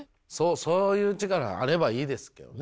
そういう力があればいいですけどね